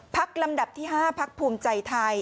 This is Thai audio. ลำดับที่๕พักภูมิใจไทย